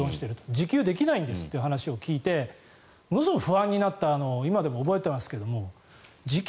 自給できないんですという話を聞いてものすごく不安になったのを今でも覚えていますが自給